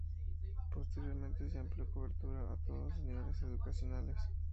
Posteriormente se amplió su cobertura a todos los niveles educacionales.